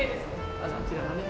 あのあちらのね。